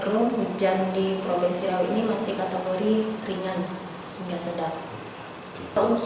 karena cenderung hujan di provinsi riau ini masih kategori ringan hingga sedang